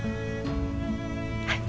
はい。